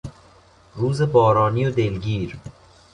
روز بارانی و دلگیر